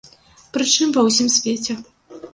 Прычым ва ўсім свеце.